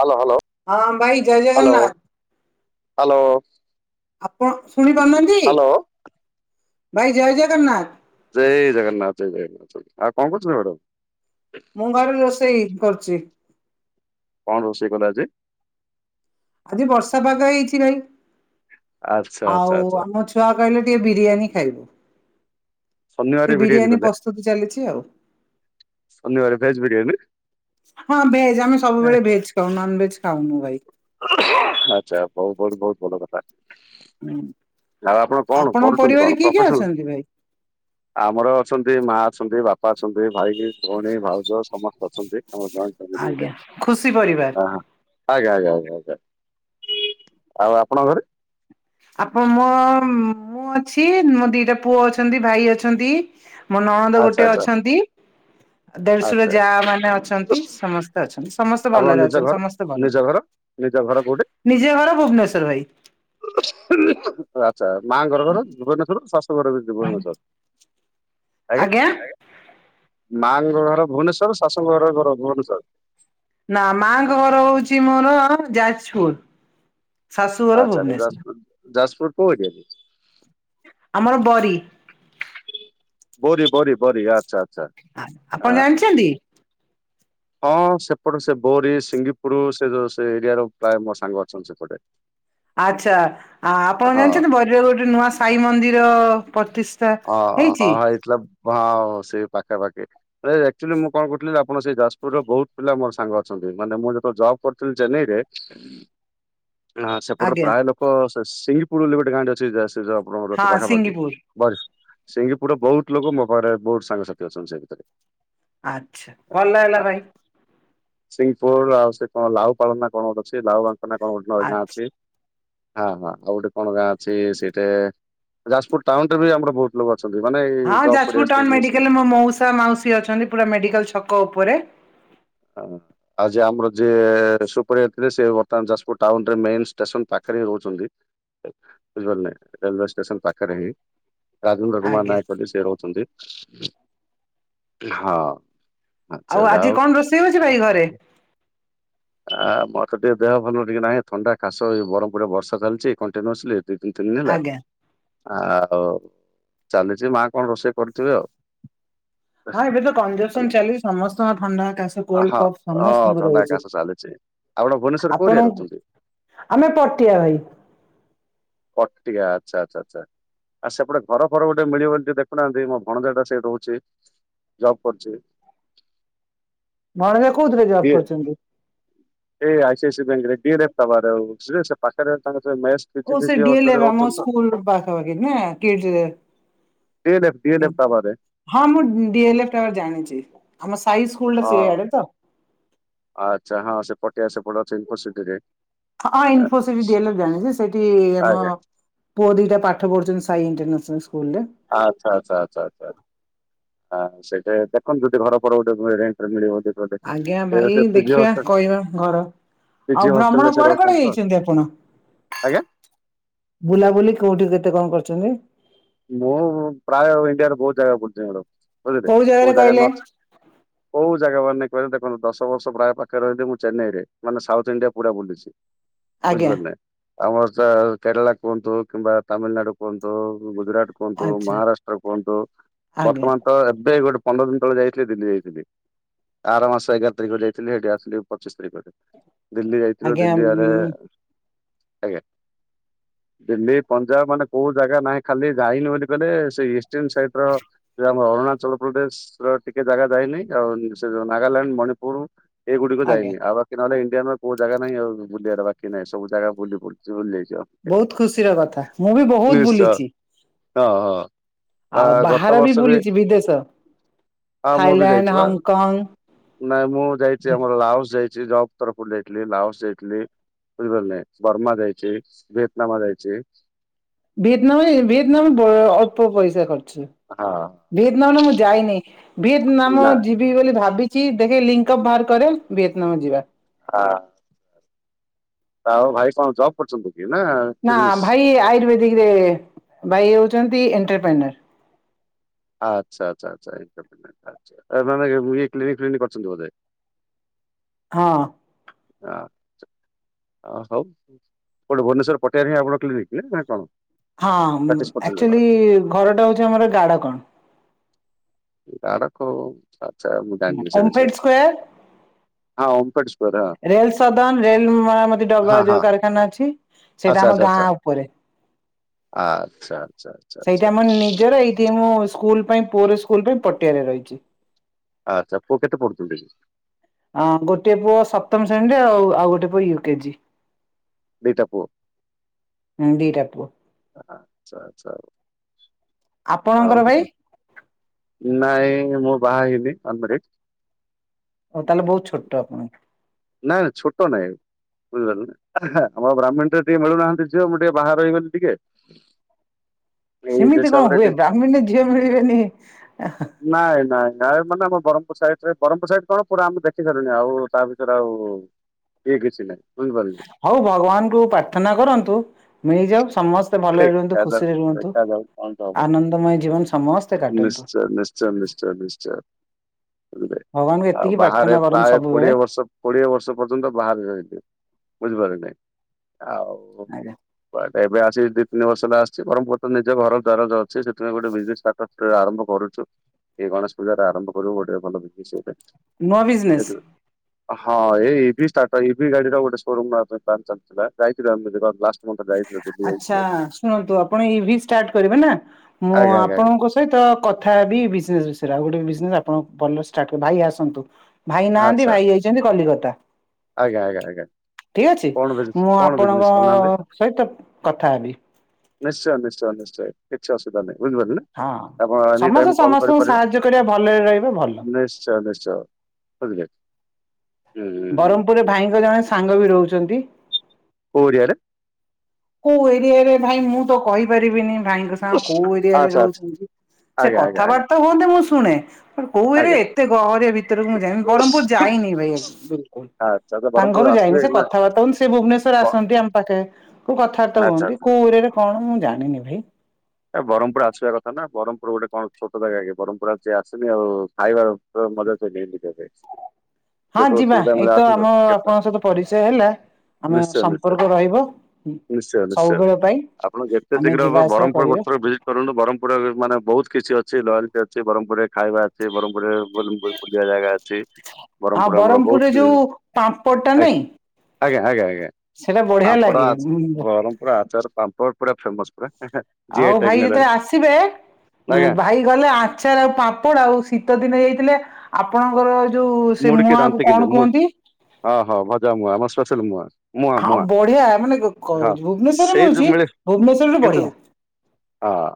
Hello hello. ହଁ ଭାଇ ଜୟ ହ୍ୟାଲୋ ଜଗନ୍ନାଥ। ହ୍ୟାଲୋ। ଆପଣ ଶୁଣି ପାରୁନାହାନ୍ତି ହ୍ୟାଲୋ ଭାଇ ଜୟ ଜଗନ୍ନାଥ। ଜୟ ଜାଗନ୍ନାଥ ଜନ୍ନାଥ ଆଉ କଣ କରୁଛନ୍ତି ମ୍ୟାଡାମ? ମୁଁ ଘରେ ରୋଷେଇ କରୁଛି। କଣ ରୋଷେଇ କଲା ଯେ? ଆଜି ବର୍ଷା ପାଗ ହେଇଚି ଭାଇ। ଆଚ୍ଛା ଆଚ୍ଛା ଆଉ ଆଚ୍ଛା ଆମ ଛୁଆ କହିଲେ ଟିକେ ବିରିୟାନୀ ଖାଇବୁ। ଶନିବାର ବିରିୟାନୀ କଲେ ପ୍ରସ୍ତୁତି ଚାଲିଚି ଆଉ। ହଁ, ଶନିବାର ଭେଜ ବିରିୟାନୀ ଭେଜ ଆମେ ସବୁବେଳେ ଭେଜ। ତ ନନ ଭେଜ ଖାଉନୁ ଭାଇ। ଆଚ୍ଛା ବହୁ ବହୁତ ବହୁତ ଭଲ କଥା। ହୁଁ, ଆଉ ଆପଣ କଣ ଆପଣଙ୍କ କରୁଛନ୍ତି କଣ ପରିବାରରେ କିଏ କିଏ ପ୍ରଫେସନାଲ? ଅଛନ୍ତି, ଭାଇ? ଆମର ଅଛନ୍ତି ମା ଅଛନ୍ତି, ବାପା ଅଛନ୍ତି, ଭାଇ, ଭଉଣୀ ଭାଉଜ ସମସ୍ତେ ଅଛନ୍ତି। ଆମର ଜଏଣ୍ଟ ଆଜ୍ଞା ଏବେ। ଖୁସି ପରିବାର। ହଁ -ହଁ। ଆଜ୍ଞା ଆଜ୍ଞା ଆଜ୍ଞା ଆଜ୍ଞା, ଆଉ ଆପଣଙ୍କ ଘରେ? ଆପଣ ମୋ, ମୁଁ ଅଛି। ମୋ ଦିଟା ପୁଅ ଅଛନ୍ତି। ଭାଇ ଅଛନ୍ତି। ମୋ ନଣନ୍ଦ ଆଚ୍ଛା ଗୋଟେ ଆଚ୍ଛା ଅଛନ୍ତି। ଦେଢଶୁର ଆଚ୍ଛା ଯା ମାନେ ଅଛନ୍ତି। ସମସ୍ତେ ଅଛନ୍ତି। ସମସ୍ତେ ଆପଣଙ୍କ ଭଲରେ ନିଜ ଅଛନ୍ତି। ଘର ସମସ୍ତେ ଭଲ ନିଜ ଘର ନିଜ ଘର କୋଉଠି? ନିଜେ ଘର ଭୁବନେଶ୍ଵର ଭାଇ। ଆଚ୍ଛା, ମାଙ୍କର ଘର ଭୁବନେଶ୍ୱର ଶସ ଶୁ ଘରବି ଭୁବନେଶ୍ୱର? ଆଜ୍ଞା? ମାଆଙ୍କ ଘର ଭୁବନେଶ୍ଵର, ଶାଶୁଙ୍କ ଘର ଘର ଭୁବନେଶ୍ୱର? ନା ମାଙ୍କ ଘର ହଉଚି ମୋର ଯାଜପୁର। ଶାଶୁଘର ଆଚ୍ଛା ଆଚ୍ଛା ଭୁବନେଶ୍ଵର। ଯାଜପୁର। ଯାଜପୁର କଉ ଏରିଆରେ? ଆମର ବରି। ବରି ବରି ବରି ଆ ଆପଣ ଜାଣିଚନ୍ତି? ହଁ ସେପଟେ ସେ ବୋରୀ, ସିଙ୍ଗିପୁରୁ ସେ ଯୋଉ ସେ ଏରିଆ ର ପ୍ରାୟ ମୋ ସାଙ୍ଗ ଅଛନ୍ତି ସେପଟେ। ଆଚ୍ଛା। ଆ ଆପଣ ହଁ ଜାଣିଛନ୍ତି ବରିରେ ଗୋଟେ ନୂଆ ସାଇ ମନ୍ଦିର ପ୍ରତିଷ୍ ଓ ହଁ ହେଇଥିଲା ହଁ ସେ ପାଖା ପାାଖି। ଆକ୍ଚୁଆଲି ମୁଁ କଣ କରୁଥିଲି ଆପଣ ସେଇ ଯାଜପୁରରେ ବହୁତ ପିଲା ମୋର ସାଙ୍ଗ ଅଛନ୍ତି। ମାନେ ମୁଁ ଯେତେଳେ ଜବ୍ କରୁଥିଲି ଚେନାଇରେ ଅଁ ସେପଟରେ ଆଜ୍ଞା ପ୍ରାୟ ଲୋକ ସେ ସିଂଙ୍ଗିପୁର ବୋଲି ଗୋଟେ ଗାଁ ଟେ ଅଛି। ସେ ଯଉ ଆପଣଙ୍କର ସେ ଯଉ ହଁ ପାଖାପାଖି। ସିଙ୍ଗିପୁର ବ ସିଙ୍ଗପୁରରେ ବହୁତ ଲୋକ ମୋ ପାଖରେ ବହୁତ ସାଙ୍ଗସାଥି ଅଛନ୍ତି। ସେ ଭିତରେ ଆଚ୍ଛା। ଭଲ ଲାଗିଲା ଭାଇ ସିଙ୍ଗପୁର ଆଉ ସେ କଣ ଲାଉ ପାଳ ନା କଣ ଗୋଟେ ଅଛି, ଲାଉ ବାଙ୍କ ନା କଣ ଗୋଟେ ଗାଁ ଆଚ୍ଛା। ଅଛି। ହଁ-ହଁ, ଆଉ ଗୋଟେ କଣ ଗାଁ ଅଛି ସେଇଠେ। ଯାଜପୁର ଟାଉନ ରେ ବି ଆମର ବହୁତ ଲୋକ ଅଛନ୍ତି। ମାନେ ଏଇ ହଁ, ଜବ୍ କରି ଯାଜପୁର ଆସିଛନ୍ତି ଟାଉନ ରିଲେସନ। ମେଡିକାଲରେ ମୋ ମଉସା ମାଉସୀ ଅଛନ୍ତି। ପୁରା ମେଡିକାଲ ଛକ ଉପରେ। ହଉ। ଆଉ ଯିଏ ଆମର ଯିଏ ସୁପରଭାଇଜର ଥିଲେ ସେ ବର୍ତ୍ତମାନ ଯାଜପୁର ଟାଉନରେ ମେନ ଷ୍ଟେସନ ପାଖରେ ହିଁ ରହୁଚନ୍ତି। ବୁଝିପାରିଲେ? ରରେଲୱେ ଷ୍ଟେସନ ପାଖରେ ହିଁ ରାଜେନ୍ଦ୍ର କୁମାର ଆଜ୍ଞା ନାୟକ ବୋଲି ସେ ରହୁଛନ୍ତି। ହଁ। ଆଚ୍ଛା ଆଉ ଯାଉ ଆଜି କଣ ରୋଷେଇ ହଉଚି ଭାଇ ଘରେ? ଆ ମତେ ଟିକେ ଦେହ ଭଲ ଟିକେ ନାହିଁ ଥଣ୍ଡା ଖାସ ବରହମପୁର ବର୍ଷା ଚାଲିଚି କଣ୍ଟିନୁସଲି। ଦି ତିନି ତିନି ହେଲା ଆଜ୍ଞା ଆଉ ଚାଲିଚି। ମା କଣ ରୋଷେଇ କରିଥିବେ ଆଉ। ହଁ, ଏବେ ତ କଂଜେସନ ହେଲା ଚାଲି ସମସ୍ତଙ୍କ ଥଣ୍ଡା କା ଆ, କୋଲଡ଼ ହଁ କଫ ହଁ ସମସ୍ତଙ୍କର ଥଣ୍ଡା ରହୁଚି। କାଶ ଚାଲିଛି। ଆପଣ ଭୁବନେଶ୍ୱର କୋଉ ଏରିଆରେ ଆପଣଙ୍କୁ ରହୁଛନ୍ତି ଆମେ ପଟିଆ ଭାଇ। ପଟକା ଆଛା ଆଛା ଆଛା। ଆଉ ସେପଟେ ଘର ଫର ଗୋଟେ ମିଳିବନ ଟିକେ ଦେଖୁନାହାନ୍ତି ମୋ ଭଣ ଦେଟା ସେଇ ରହୁଛି ଜବ୍ କରୁଛି। ଭଣଜା କୋଉଥିରେ ଜବ୍ କରିଛନ୍ତି। ଏଇ ଆଇ ସ ଆଇ [unintelligible] ଓ ସେ ଡି ଲ ଅଛନ୍ତି ରାମ ରହୁଛନ୍ତି ତ। ସ୍କୁଲ ପାଖ ନା [unintelligible] [unintelligible] ହଁ ମୁଁ ଡିଲଫ ଜାଣିଛି ଆମ ସାଇ ସ୍କୁଲା ହଁ ସେଇଆଡେ ତ। ଆଚ୍ଛା ହଁ ସେପ। [unintelligible] ହଁ ହଁ ଇନଫୋସି [unintelligible] ଜାଣିଛି ସେଠି ଆମ ଆଜ୍ଞା ପୁଅ ଦିଟା ପାଠ ପଢୁଛନ୍ତି ସାଇ ଇଣ୍ଟରନ୍ୟାସନାଲ ସ୍କୁଲ ରେ। ଆଚ୍ଛା ଆଚ୍ଛ ଆଛା ଆଛା। ହଁ ସେଇଟା ଦେଖନ୍ତୁ ଯଦି ଘର ଗୋଟେ ରେଟରେ ମିଳିବ। ଗୋଟେ ଆଜ୍ଞା ସେ ଭାଇ ସେ ପିଜି ଦେଖିବା ହଷ୍ଟେଲ କହିବା ଘର। ପିଜି ଆଉ ଭ୍ରମଣ ହଷ୍ଟେଲରେ ସେ କୁଆଡେ ରହୁଛନ୍ତି କୁଆଡେ ତ ଯାଇଛନ୍ତି ଆପଣ? ଆଜ୍ଞା। ବୁଲାବୁଲି କୋଉଠି କେତେ କଣ କରୁଛନ୍ତି। ମୁଁ ପ୍ରାୟ ଇଣ୍ଡିଆରେ ବହୁତ ଜାଗା ବୁଲିଛି ଆଡ କୋଉ ଜାଗାରେ ବୁଝେଲେକୋଉ ଜାଗା କହିଲେ ନ କୋଉ ଜାଗା ମାନେ କହିବେ ଦେଖନ୍ତୁ ଦଶ ବର୍ଷ ପ୍ରାୟ ପାଖରେ ର ହିଁ ଲି ମୁଁ ଚେନ୍ନାଇ ରେ ମାନେ ସାଉଥ ଇଣ୍ଡିଆ ପୁରା ବୁଲିଛି। ଆଜ୍ଞା ବୁଝିପାରୁନାେ ଆମର ତ କେରଳା କୁହନ୍ତୁ କିମ୍ବା ତାମିଲନାଡୁ କୁହନ୍ତୁ ଗୁଜୁରଟ କୁହନ୍ତୁ ଆଚ୍ଛା ମହାରାଷ୍ଟ୍ର କୁହନ୍ତୁ ଆଜ୍ଞା ବର୍ତ୍ତମାନ ତ ଏବେ ଗୋଟେ ପନ୍ଦର ଦିନ ତଳେ ଯାଇଥିଲି ଦିଲ୍ଲୀ ଯାଇଥିଲି। ଆର ମାସ ଏଗାର ତାରିଖ ଯାଇଥିଲି ସେଇଠି ଆସିଲି ପଚିଶି ତାରିଖରେ ଦିଲ୍ଲୀ ଯାଇଥିଲୁ ଆଜ୍ଞା ଦିଲ୍ଲୀ ଆରେ ଉଁ ଆଜ୍ଞା ଦିଲ୍ଲୀ ପଞ୍ଜାବ ମାନେ କୋଉ ଜାଗା ନାହିଁ ଖାଲି ଯାଇନି ବୋଲି କହଲେ ସେ ଇଷ୍ଟନ୍ ସାଇଟି ର ସେ ଆମର ଅରୁଣାଚଳ ପ୍ରଦେଶ ର ଟିକେ ଜାଗା ଯାଇନହିଁ ଆଉ ସେ ଯୋଉ ନାଗାଲାଣ୍ଡ ମଣିପୁର ଏଇଗୁଡିକ ଆଜ୍ଞା ଯାଇନି ଆଉ ବାକି କି ନହେଲେ ଇଣ୍ଡିଆରେ କଉ ଜାଗାହିଁ ଆ ବୁିବାର ବାକିହିଁ ସବୁ ଜାଗା ବୁ ବୁଛି ବୁଲିଯାଇଛିଉ। ବହୁତ ଖୁସିର କଥା ମୁଁ ବି ବହୁତ ନିଶ୍ଚୟ ଭୁଲିଛି। ହଁ ହଁ। ଆ ଗତ ବାହାର ବର୍ଷ ବି ବୁଲିଛି ବିଦେଶ ହିଁ ମୁଁ ବି ଥାଇଲାଣ୍ଡ ଯାଇଛିୁ ବା [unintelligible] ନାଇଁ ମୁଁ ଯାଇଛି ଆମର ଲାାଉସ ଯାଇଛି ଜବ୍ ତରଫରୁ ଯାଇଥିଲି ଲାାଉସ ଯାଇଥିଲି। ବୁଝି ପାଲେ ନାଇ ବର୍ମା ଯାଇଛି ଭିଏତନାମା ଯାଇଛି ଭିଏତନାମ ଭିଏତନାମ [unintelligible] ଅଳ୍ପ ପଇସା ଖର୍ଚ୍ଚ। ହଁ। ଭିଏତନାମରେ ମୁଁ ଯାଇନି ଭିଏତନାମ ନାଁ ଯି ବୋଲି ଭାବିଛି ଦେଖ ଲିଙ୍କ ଅପ୍ ବାହାର କରେ ଭିଏତନାମ ଯିବା। ହଁ। ଆ ଆଉ ଭାଇ କଣ ଜବ୍ କରୁଛନ୍ତି କି ନା ନା ବିଜନେସ୍? ଭାଇ ଆୟୁର୍ବେଦିକରେ ଭାଇ ଅଉଛନ୍ତି ଏଣ୍ଟରପ୍ରେନର୍।। ଆଚ୍ଛା ଆଛା ଚା ଆ ୟେକ୍ଲିନିକ୍ ଫିନ୍କ କ୍ କରିଛନ୍ତି ବୋଧେ?। ହଁ। [unintelligible] ଅ ହଉ କୋଟେ ଭୁବନେଶ୍ୱର ପଟିଆରେ ଆପଣ କ୍ଲିନିକ କି ନା କଣ? ହଁ ହଁ ପ୍ରାକ୍ଟିସ୍ କରୁଛନ୍ତି ଆକ୍ଚୁଆଲି-ଇ-ଇ ଘର ଟା ହଉଛି ଆମର ଗାଡକଣ। ଗାଡ଼କଣ ଆଛା ଆଛା ମୁଁ ଜାଣିନି ସେ ଓମଫେଡ ବିଷୟରେ ସ୍କୋୟାର ହଁ ଓପେଡ୍ ସ୍କ୍ୱାର ହଁ। ରେଲ ସଦନ ରେଲ ମରାମତି ଡବା ହଁ ହଁ ଯୋଉ କାରଖାନା ଅଛି ସେଇଟା ଆମ ଗାଁ ଉପରେ। ଆଛା ଆଛା। ସେଇଠି ଆମ ନିଜର ଏଇଠି ମୁଁ ସ୍କୁଲ ପାଇଁ ପୁଅର ସ୍କୁଲ ପାଇଁ ପଟିଆରେ ରହିଛି। ଆଚ୍ଛା ପୁଅ କେତେ ପଡୁଚନ୍ତିି? ହଁ ଗୋଟେ ପୁଅ ସପ୍ତମ ଶ୍ରେଣୀରେ ଆଉ ଆଉ ଗୋଟେ ପୁଅ ୟୁ କେଜି। ଦିଟା ପୁଅ? ହୁଁ ଦିଟାପୁଅ। ଆଚ୍ଛା ଆଚ୍ଛା ଆପଣଙ୍କର ଭାଇ ଆଉ ନାଇଁ ମୁଁ ବାହା ହେଇନି ଆମଡେ ହଉ ତାହେଲେ ବହୁତ ଛୋଟ ଆପଣଙ୍କଠୁ। ନା ନା ଛୋଟ ନାଇଁ। ବୁଝିଲନି ଆମ ବ୍ରାହ୍ମଣ ଟରେ ଟିକେ ମିଳୁନାହାନ୍ତି ଝିଅ ମୁଁ ଟିକେ ବାହାରେ ରହିଗଲି ଟିକେ ଏଇ ସେମିତି କଣ ହିସାବରେ ହୁଏ ବ୍ରାହ୍ମୀଣରେ ଝିଅ ମିଳିବେନି ଟିକେ ନାଇଁ ନାଇଁ ନାଇ ଆ ମାନେ ଆମ ବରମ୍ ପୁର୍ ସାଇଟ୍ ରେ ବରମ୍ ପୁର୍ ସାଇଟ୍ କଣ ପୁରା ଆମ ଦେଖି ସାରୁୁଣି ଆଉ-ଉ ତା ର ଆଉ-ଉ-ଉ-ଉ ଇଏ କିଛି ନାହିଁ ବୁଝିପାଇଲେ? ହଉ ଭଗବାନଙ୍କୁ ପ୍ରାର୍ଥନା କରନ୍ତୁ ମିଳିଯାଉ ସମସ୍ ତେ ଭଲରେ ରୁହନ୍ତୁ ଦେଖାଯାଉ ଖୁସିରେ ରୁହନ୍ତୁ ଦେଖାଯାଉ କଣ ହବ ଆନନ୍ଦମୟ ଜୀବନ ସମସ୍ତେ କାଟନ୍ତୁ। ନିଶ୍ଚୟ ନିଶ୍ଚୟ ନିଶ୍ଚୟ ନିଶ୍ଚୟ [unintelligible] ଭଗବାନଙ୍କୁ ଆଉ ଏତିକି ପ୍ରାର୍ଥନା ବାହାରେ କରନ୍ତୁ ପ୍ରାୟ ସବୁବେଳେ କୋଡିଏ ବର୍ଷ କୋଡିଏ ବର୍ଷ ପର୍ଯ୍ୟନ୍ତ ବାହାରେ ରହିଲି ବୁଝିପାରଲ କି ନାହିଁ ଆଉ ଆଜ୍ଞା। [unintelligible] ଏବେ ଆସି ଦିଇ ତିନି ବର୍ଷ ହେଲା ଆସିଛି ବରମ୍ ପୁର୍ ତ ନିଜ ଘରଦ୍ୱାର ଅଛି ସେଥିପାଇଁ ଗୋଟେ ବିଜେନ୍ସ ସ୍ଟାଟସ୍ ଆରମ୍ଭ କରୁଚୁ। ଏ ଗଣେଶ ପୂଜାରେ ଆରମ୍ଭ କରିବୁ ଗୋଟେ ଭଲ ବ୍ୟବସାୟଟେ ନୂଆ ବିଜନେସ୍ [unintelligible] ହଁ ଏଇ ଇଭି ଷ୍ଟାଟ ଇଭି ଗାଡି ର ଗୋଟେ ଶୋରୁମ [unintelligible] ଚାଲିଥିଲା ଯାଇଥିଲୁ ଆମେ [unintelligible] ଦିଲ୍ଲୀ ଆଛା ଯାଇଥିଲୁ ଶୁଣନ୍ତୁ ଆପଣ ଇଭି ଷ୍ଟାର୍ଟ୍ କରିବେ ନା ମୁଁ ଆଜ୍ଞା ଆଜ୍ଞା ଆଜ୍ଞା ଆପଣଙ୍କୁ ସହିତ କଥା ହେବି ବିଜନେସ୍ ବିଷୟରେ ଆଉ ଗୋଟେ ବିଜନେସ୍ ଆପଣ ଭଲର୍ ଷ୍ଟାଟ ଭାଇ ଆସନ୍ତୁ। ଭାଇ ନାହାନ୍ତି ଆଚ୍ଛା ଭାଇ ଯାଇଛନ୍ତି କଲିକତା। ଆଜ୍ଞା ଆଜ୍ଞା ଆଜ୍ଞା ଠିକ୍ ଅଛି କଣ ବିଜନେସ୍ ମୁଁ କଣ ବିଜନେସ୍ କରୁନାହାନ୍ତି ଆପଣଙ୍କ-ଅ-ଅ-ଅ ସହିତ କଥା ହେବି। ନିଶ୍ଚୟ ନିଶ୍ଚୟ ନିଶ୍ଚୟ କିଛି ଅସୁବିଧା ନାହିଁ ବୁଝି ପାରିଲା ନା। ହଁ ସମସ୍ତେ ସମସ୍ତଙ୍କୁ ସାହାଯ୍ୟ କରିବା ଭଲରେ ରହିବେ ଭଲ। ନିଶ୍ଚୟ ନିଶ୍ଚୟ ବୁଝିଲେ। ହୁଁ ବରମ୍ ପୁରରେ ଭାଇଙ୍କ ଜଣେ ସାଙ୍ଗ ବି ରହୁଚନ୍ତି। କୋଉ ଏରିଆରେ? କୋଉ ଏରିଆରେ ଭାଇ ମୁଁ ତ କହିପାରିବିନି। ଭାଇଙ୍କ ସାଙ୍ଗ କୋଉ ଏରିଆରେ ଆଚ୍ଛା ଆଚ୍ଛା ରହୁଛନ୍ତି ସେ ଆଜ୍ଞା ଆଜ୍ଞା ଆଜ୍ଞା କଥାବାର୍ତ୍ତା ହୁଅନ୍ତେ ମୁଁ ଶୁଣେ। କୋଉରେ ଆଜ୍ଞା ଏତେ ଗହରିଆ ଭିତରକୁ ମୁଁ ଯାଇ ବରମ୍ ପୁର୍ ଯାଇନି ଭାଇ ଆକଚୁଲି ବିଲକୁଲ୍। ଆଚ୍ଛା ତ ତାଙ୍କ ବ୍ରହ୍ମପୁର ଘରୁ ଯାଇନି ଆସିବେ ସେ ନା କଥାବାର୍ତ୍ତା ହୁଅନ୍ତି ସେ ଭୁବନେଶ୍ଵର ବ- ଆସନ୍ତି ଆମ ପାଖେ। କୋଉ କଥାବାର୍ତ୍ତା ଆଚ୍ଛା ହୁହନ୍ତି ଆଚ୍ଛା କୋଉ ଏରିଆରେ କଣ ମୁଁ ଜାଣିନି ଭାଇ। ଏ ବରମ୍ ପୁର୍ ଆସିବା କଥା ନା ବରମ୍ ପୁର୍ ଗୋଟେ କଣ ଛୋଟ ଜାଗା କି ବରମ୍ ପୁର୍ ଯେ ଆସନି ଆଉ ଖାଇବାର କଣ ମଜା [unintelligible] ହଁ ଯେତେବେଳେ ଯିବା ସୁବିଧା ମିଳେ ଏଇତ ଆସନ୍ତୁ ଆମ କେବେ ଆପଣଙ୍କ ସହିତ ପରିଚୟ ହେଲା। ଆମ ନିଶ୍ଚୟ ନିଶ୍ଚୟ ସମ୍ପର୍କ ରହିବ ହୁଁ, ନିଶ୍ଚୟ ନିଶ୍ଚୟ ସବୁବେଳ ପାଇଁ ଆପଣ ଯେତେ ଆମେ ଶୀଘ୍ର ହବ ଯିବା ଆସିବା ବ୍ରହ୍ମପୁର ଗୋଟେ କରିବା। ଥର ଭିଜିଟ୍ କରନ୍ତୁ ବରମପୁରରେ ବି ମାନେ ବହୁତ କିଛି ଅଛି ଲାଲ ଟେ ଅଛି ବରମପୁରରେ ଖାଇବା ଅଛି। ବରମପୁରରେ ବରମପୁର ବୁଲିବା ଜାଗା ଅଛି ଆଉ ବରମପୁର ଆମର ବହୁତ ବ୍ରହ୍ମପୁରରେ କି ଯୋଉ ପାମ୍ପଡ ଟା ଏ ନାଇଁ ଆଜ୍ଞା, ଆଜ୍ଞା, ଆଜ୍ଞା ସେଟା ବଢିଆ ପାମ୍ପଡ଼ ଆଚା ଲାଗେ ବରମପୁର ଆଚାର ପାମ୍ପଡ୍। ପୁରା ଫେମସ୍ ପୁରା। ଜିଆଇ ଆଉ ଟ୍ୟାଗ ଭାଇ ନେଲାଣି ଯେତେଳେ ଆସିବେ ଆଜ୍ଞା [unintelligible] ଭାଇ ଗଲେ ଆଚାର ଆଉ ପାମ୍ପଡ଼ ଆଉ ଶୀତ ଦିନ ହେଇଥିଲେ ଆପଣଙ୍କର ଯୋଉ ସେ ମୁଡିକି ମୁଆଁ କୁ ଦାନ୍ତିକିଲି କଣ ମୁଡ କୁହନ୍ତି? ହଁ, ହଁ ଭଜା ମୁଆଁ ଆମ ସ୍ପେସାଲ୍ ମୁଆଁ। ମୁଆଁ ହାଁ ମୁଆଁ ବଢିଆ ମାନେ ଗକୋ ହଁ ହେଇନି ଭୁବନେଶ୍ଵରରେ ସେଇ ଯୋଉ ମିଳୁଚି ମିଳେ ଭୁବନେଶ୍ଵରରେ କିନ୍ତୁ ବଢିଆ। ହଁ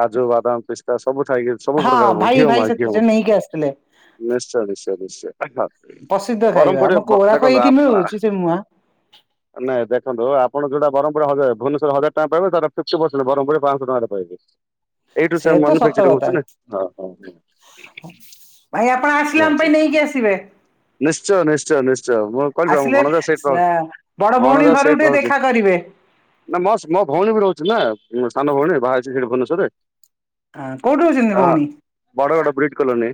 କାଜୁ ବାଦାମ, ପିସ୍ତା ସବୁ ଥାଇକି ସବୁ ହଁ ପ୍ରକାର ଭାଇ ହଉଛି ଆଉ ଭାଇ ମା କି ସେ ହବ [unintelligible] ନେଇକି ଆସିଥିଲେ। ନିଶ୍ଚୟ, ନିଶ୍ଚୟ, ନିଶ୍ଚୟ ଓହୋ, ପ୍ରସିଦ୍ଧ ଏ ଖାଇବା ବରମପୁର ରେ ଆମ କୋରାଖ ବ-ଦେଖନ୍ତୁ ଏଇଠି ଆ-ଆ ମିଳୁଛି ସେ ମୁଆଁ। ନାଇଁ ଦେଖନ୍ତ ଆପଣ ଯୋଉଟା ବରମପୁର ହଜା ଭୁବନେଶ୍ୱର ର ହଜାର ଟଙ୍କା ପାଇବେ ତାର ଫିପଟି ପରସେଣ୍ଟ ବରମପୁର ରେ ପାଁଶହ ଟଙ୍କାରେ ପାଇବେ। ଏଇଠୁ ସେ ତ ସତ ମନୁଫେକ୍ଚର୍ କଥା ହଉଚୁ ନା। ଭାଇ ଆପଣ ଆସିଲେ ଆମ ନିହାତି। ପାଇଁ ନେଇକି ଆସିବେ। ନିଶ୍ଚୟ, ନିଶ୍ଚୟ, ନିଶ୍ଚୟ ମୁଁ କହିଲି ପରା ମୋ ଆସିଲେ ଭଣଜା ସେଇଠି ରହୁ, ବଡ ଭଉଣୀ ଭଣଜା ଘରୁ ଟିକେ ସେଇଠି ରହୁଛି। ଦେଖା କରିବେ ନା ମସ୍ ମୋ ଭଉଣୀ ବି ରହୁଛି ନା ମୋ ସାନ ଭଉଣୀ ବାହା ହେଇଛି ସେଇଠି ହଁ କୋଉଠି ରହୁଛନ୍ତି ଭୁବନେଶ୍ୱରରେ। ଓ ହଁ ଭଉଣୀ? ବଡ ବଡ ବ୍ରିଟ୍ କଲୋନୀ।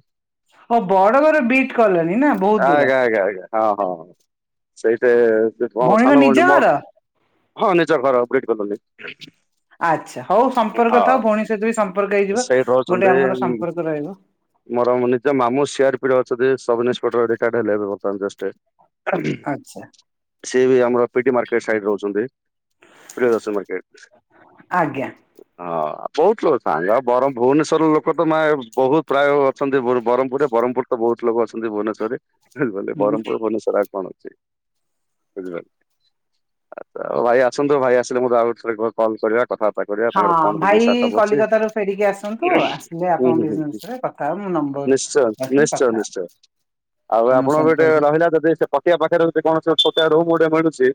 ହଁ ବଡ ବର ବିଟ୍ କଲୋନି ନା। ବହୁତ ଦୂର ଆଜ୍ଞା, ଆଜ୍ଞା, ଆଜ୍ଞା ହଁ, ହଁ ସେଇଠି ସେ କଣ ଭଉଣୀଙ୍କ ସାନ ନିଜ ଭଉଣୀ ମୋ ଘର? ହଁ ନିଜର ପରା ବ୍ରିଟ୍ କଲୋନୀ। ଆଚ୍ଛା, ହଉ ସମ୍ପର୍କ ଥାଉ ହଁ। ଭଉଣୀ ସହିତ ବି ସମ୍ପର୍କ ହେଇଯିବ। ସେଇଠି ଗୋଟେ ରହୁଛନ୍ତି ଆମର ସମ୍ପର୍କ ରହିବ। ମୋର ନିଜ ମାମୁଁ ସିଆର୍ ପି ରେ ଅଛନ୍ତି ସବ ଇନ୍ସପେକ୍ଟର୍ ରିଟାର୍ଡ ହେଲେ, ଏବେ ବର୍ତ୍ତମାନ ଜଷ୍ଟ ଏ ଆ ଆଚ୍ଛା ସିଏ ବି ଆମର ପିଡି ମାର୍କେଟ୍ ସାଇଡରେ ରହୁଛନ୍ତି ପ୍ରିୟ ଦର୍ଶନ ମାର୍କେଟ୍ସ। ଆଜ୍ଞା। ହଁ ବହୁତ ଲୋକ ସାଙ୍ଗ ବରମ ଭୁବନେଶ୍ବର ରୁ ଲୋକ ତ ମେ- ବହୁତ ପ୍ରାୟ ଅଛନ୍ତି ବ-ବରମପୁରରେ। ବରମପୁର ବହୁତ ଲୋକ ଅଛନ୍ତି ଭୁବନେଶ୍ୱରରେ। [unintelligible] ହୁଁ ବରମପୁର ଭୁବନେଶ୍ୱର ଆ କଣ ଅଛି? ବୁଝିଲେ। ଆାଉ ଭାଇ ଆସନ୍ତୁ ଭାଇ ଆସିଲେ ମୁଁ ତ ଆଉ ଥରେ କ-କଲ୍ କରିବା କଥା ହଁ ଭାଇ କଲିକତା ରୁ ଫେରିକି ଆସନ୍ତୁ, ଆସିଲେ ହୁଁ ହୁଁ ଆପଣଙ୍କ ହୁଁ। [unintelligible] କଥା ତା ନମ୍ବର୍ ନିଶ୍ଚୟ ନିଶ୍ଚୟ, ନିଶ୍ଚୟ ଆଉ ଆପଣ ବି ଗୋଟେ ସମ୍ପର୍କ ରହିଲା ଯଦି ସେ ପଟାଆ ପାଖରେ ସେଟି କଣ ସେ ଛୋଟିଆ ରୁମ୍ ଗୋଟେ ମିଳୁଛି।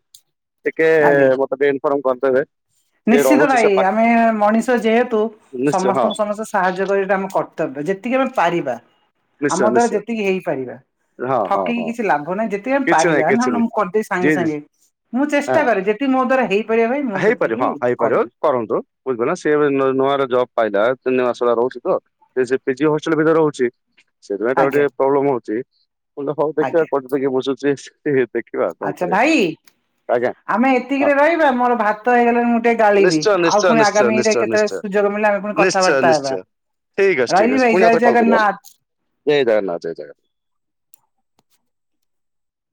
ଟିକେ ଆଜ୍ଞା। ମୋତେ ଟିକେ ଇନଫର୍ମ କରିଦେବେ। ସେ ନିଶ୍ଚିତ ରହୁଛି ସେ ଭାଇ ପା ଆମେ ମଣିଷ ଯେହେତୁ ନିଶ୍ଚୟ ହଁ ସମସ୍ତଙ୍କୁ ସମସ୍ତେ ସାହାଯ୍ୟ କରିବା ସେଟା ଆମ କର୍ ତବ୍ୟ ଯେତିକି ଆମେ ପାରିବା। ନିଶ୍ଚୟ ଆମ ଦ୍ଵାରା ନିଶ୍ଚୟ ଯେତିକି ହେଇପାରିବା। ହଁ ହଁ ଠକିକି ହଁ କିଛି ଲାଭ ନାହିଁ ଯେ ତି ଆମ କିଛି ନାହିଁ ପାରିବା ନା କିଛି ନା ନାହିଁ ମୁଁ କରିଦେବି ସାଙ୍ଗେ ଯିଏ ସାଙ୍ଗେ ମୁଁ ଚେଷ୍ ହଁ ଟା କରେ ଯେତିକି ମୋ ଦ୍ଵାରା ହେଇପାରିବ ଭାଇ ମୁଁ ହେଇପାରିବ ସେତିକି ହଁ ହେଇପାରିବ କହିବି। କରନ୍ତୁ ବୁଝିପାଇଲ ନା ସିଏ ଏବେ ନ- ନୂଆରେ ଜବ୍ ପାଇଲା ତିନି ମାସ ହେଲା ରହୁଛି ତ। ପିଜି ପିଜି ହଷ୍ଟେଲ୍ ଭିତରେ ରହୁଛି। ସେଥିପାଇଁ ତାକୁ ଆଜ୍ଞା। ଟିକେ ପ୍ରୋବ୍ଲେମ୍ ହଉଛି [unintelligible] ହଉ ଦେଖିଆ ଆଜ୍ଞା କରତେ କିଏ ବସୁଚି ସିହେ ଦେ ଆଚ୍ଛା ଭାଇ। ଆଜ୍ଞା। ଆମେ ହଁ ଏତିକିରେ ରହିବା। ମୋର ଭାତ ହେଇଗଲାଣି ମୁଁ ଟିକେ ଗାଳିବି। ନିଶ୍ଚୟ ଆଉ ନିଶ୍ଚୟ ପୁଣି ନିଶ୍ଚୟ ଆଗାମୀରେ ନିଶ୍ଚୟ କେତେବେ ନିଶ୍ଚୟ ସୁଯୋଗ ମିଳିଲେ ଆମେ ପୁଣି ନିଶ୍ଚୟ କଥାବାର୍ତ୍ତା ନିଶ୍ଚୟ ହେବା। ଠିକ୍ ଅଛି ଠିକ୍ ରହିଲି ଅଛି ଭାଇ ପୁଣି ଜୟ ଆଉଥରେ କଲ୍ କରିବ ହେଲା ଜଗନ୍ନାଥ। ଜୟ ଜଗନ୍ନାଥ, ଜୟ ଜଗନ୍ନାଥ।